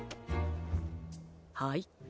はい。